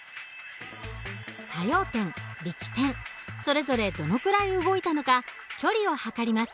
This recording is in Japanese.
作用点力点それぞれどのくらい動いたのか距離を測ります。